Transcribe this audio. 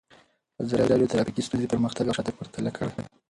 ازادي راډیو د ټرافیکي ستونزې پرمختګ او شاتګ پرتله کړی.